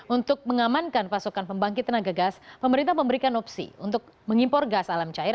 untuk mengamankan pasokan pembangkit tenaga gas pemerintah memberikan opsi untuk mengimpor gas alam cair